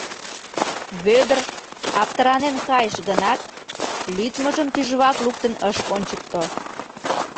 Вӧдыр аптыранен кайыш гынат, лӱдмыжым тӱжвак луктын ыш ончыкто.